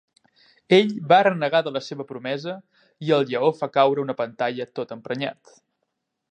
Ell va renegar de la seva promesa, i el lleó fa caure una pantalla tot emprenyat.